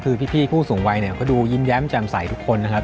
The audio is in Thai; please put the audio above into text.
คือพี่ผู้สูงวัยเนี่ยก็ดูยิ้มแย้มแจ่มใสทุกคนนะครับ